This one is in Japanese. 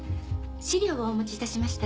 資料をお持ちいたしました。